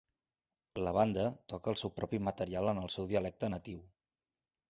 La banda toca el seu propi material en el seu dialecte natiu.